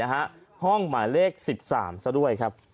ห้องหมายเลข๑๓ซะด้วยครับ